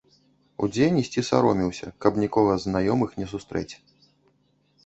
Удзень ісці сароміўся, каб нікога з знаёмых не сустрэць.